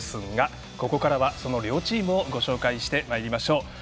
ここからはその両チームをご紹介してまいりましょう。